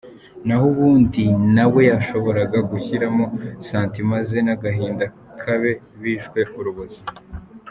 Naho ubundi nawe yashoboraga gushyiramo sentiments ze n’agahinda k’abe bishwe urubozo.